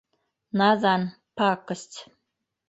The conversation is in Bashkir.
Наҙан, п-пакость...